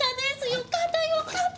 よかったよかった。